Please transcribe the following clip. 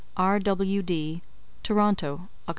R. W. D. TORONTO, Oct.